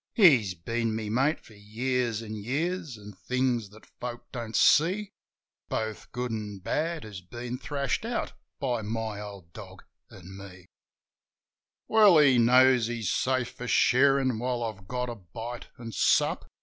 He's been my mate for years an' years, an' things that folk don't see Both good an' bad has been thrashed out by my old dog an' me. 20 JIM OF THE HILLS Well he knows he's safe for sharin' while I've got a bite an' sup.